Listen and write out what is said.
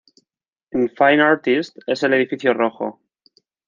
En Fine Artist, es el edificio rojo.